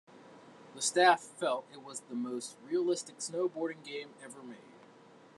The staff felt it was the most realistic snowboarding game ever made.